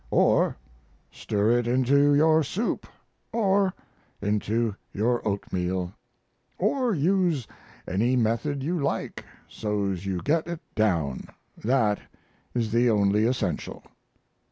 Or, stir it into your soup. Or, into your oatmeal. Or, use any method you like, so's you get it down that is the only essential.